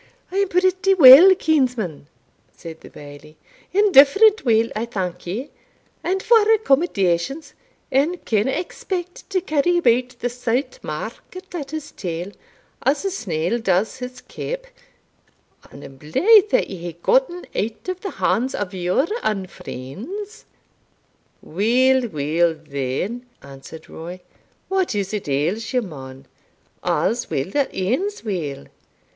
"I am pretty weel, kinsman," said the Bailie "indifferent weel, I thank ye; and for accommodations, ane canna expect to carry about the Saut Market at his tail, as a snail does his caup; and I am blythe that ye hae gotten out o' the hands o' your unfreends." "Weel, weel, then," answered Roy, "what is't ails ye, man a's weel that ends weel!